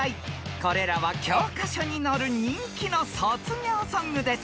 ［これらは教科書に載る人気の卒業ソングです］